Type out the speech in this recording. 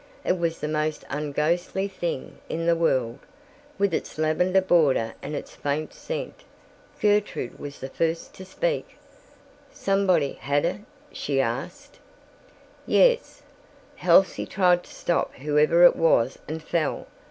It was the most unghostly thing in the world, with its lavender border and its faint scent. Gertrude was the first to speak. "Somebody—had it?" she asked. "Yes. Halsey tried to stop whoever it was and fell.